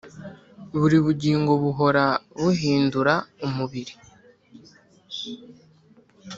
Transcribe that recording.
buri bugingo buhora buhindura umubiri